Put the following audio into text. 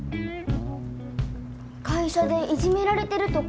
会社でいじめられてるとか。